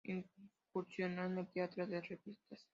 Incursionó en el teatro de revistas.